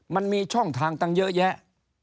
มันมีช่องทางตั้งเยอะแยะ